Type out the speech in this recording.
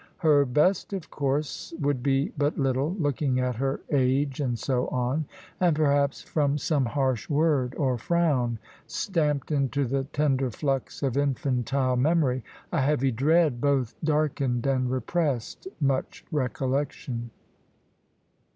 Her best, of course, would be but little, looking at her age and so on; and perhaps from some harsh word or frown, stamped into the tender flux of infantile memory, a heavy dread both darkened and repressed much recollection.